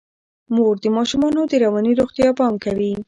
مور د ماشومانو د رواني روغتیا پام کوي.